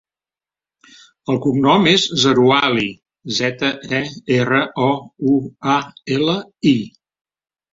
El cognom és Zerouali: zeta, e, erra, o, u, a, ela, i.